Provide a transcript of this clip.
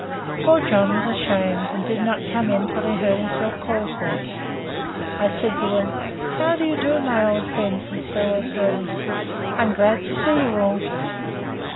Poor John was ashamed, and did not come in till he heard himself called for. I said to them, How do you do, my old friends and fellow servants? I am glad to see you all.